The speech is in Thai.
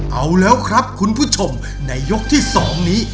เอาแล้วครับคุณผู้ชมในยกที่๒นี้